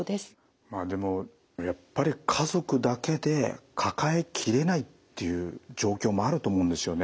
でもやっぱり家族だけで抱え切れないっていう状況もあると思うんですよね。